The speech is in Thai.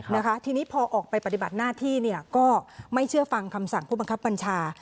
นะคะทีนี้พอออกไปปฏิบัติหน้าที่เนี่ยก็ไม่เชื่อฟังคำสั่งผู้บังคับบัญชา